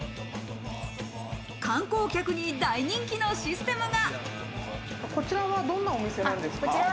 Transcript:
観光客に大人気のシステムが。